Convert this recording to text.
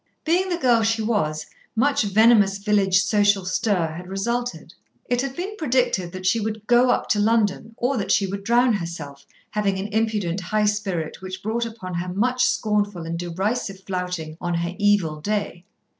Being the girl she was, much venomous village social stir had resulted. It had been predicted that she would "go up to London," or that she would drown herself, having an impudent high spirit which brought upon her much scornful and derisive flouting on her evil day.